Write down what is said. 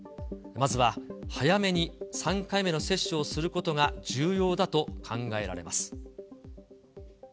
まずは早めに３回目の接種をすることが重要だと考えられます。